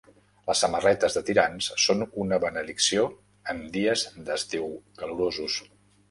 Les samarretes de tirants són una benedicció en dies d'estiu calorosos.